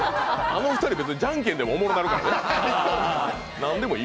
あの２人、じゃんけんでもおもろなるからね。